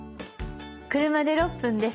車で６分です。